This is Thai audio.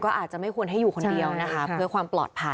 อาจจะไม่ควรให้อยู่คนเดียวนะคะเพื่อความปลอดภัย